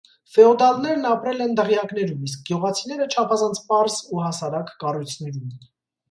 Ֆեոդալներն ապրել են դղյակներում, իսկ գյուղացիները՝ չափազանց պարզ ու հասարակ կառույցներում։